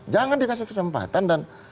jangan dikasih kesempatan dan